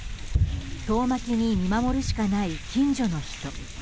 遠巻きに見守るしかない近所の人。